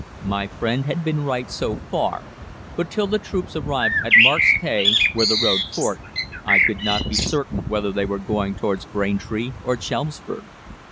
My friend had been right so far, but till the troops arrived at Mark's Tey, where the road forked, I could not be certain whether they were going towards Braintree or Chelmsford.